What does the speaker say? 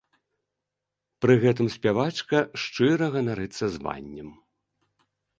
Пры гэтым спявачка шчыра ганарыцца званнем.